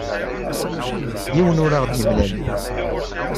Yiwen ur aɣ-d-yemlal.